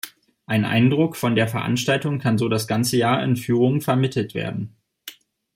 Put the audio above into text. Ein Eindruck von der Veranstaltung kann so das ganze Jahr in Führungen vermittelt werden.